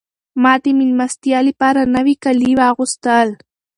ما د مېلمستیا لپاره نوي کالي واغوستل.